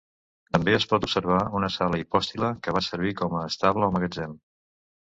També es pot observar una Sala Hipòstila, que va servir com a estable o magatzem.